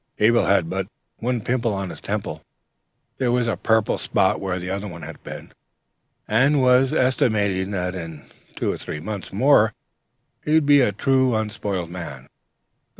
Abel had but one pimple on his temple (there was a purple spot where the other had been), and was estimating that in two or three months more he would be a true, unspoiled man.